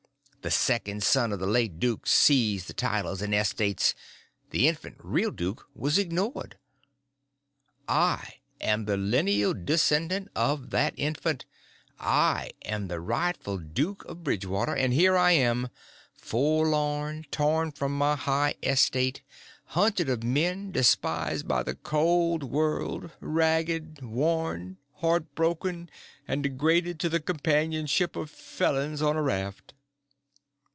The second son of the late duke seized the titles and estates—the infant real duke was ignored. I am the lineal descendant of that infant—I am the rightful Duke of Bridgewater; and here am I, forlorn, torn from my high estate, hunted of men, despised by the cold world, ragged, worn, heart broken, and degraded to the companionship of felons on a raft!"